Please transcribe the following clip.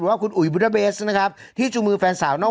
ว่าคุณอุ๋ยบุรเบสนะครับที่จูงมือแฟนสาวนอก